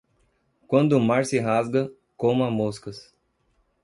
Quando o mar se rasga, coma moscas.